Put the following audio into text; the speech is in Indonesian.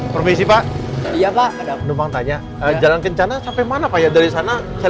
permisi pak ya pak ada menempatnya jalan kencana sampai mana pak ya dari sana saya